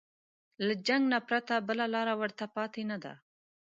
له جنګ نه پرته بله لاره ورته پاتې نه ده.